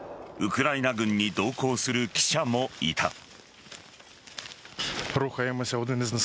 ウクライナ軍に同行する記者もいた。